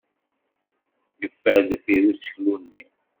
Yeffer deffir useklu-nni.